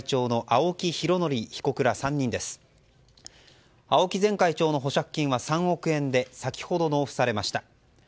青木前会長の保釈金は３億円で、先ほど納付されました。